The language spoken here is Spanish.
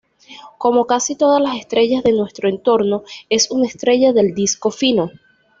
Como casi todas las estrellas de nuestro entorno, es una estrella del disco fino.